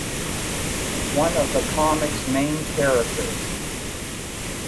One of the comic's main characters.